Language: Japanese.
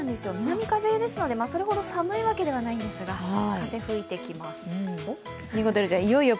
南風ですので、それほど寒いわけではないんですが風、吹いてきますよ。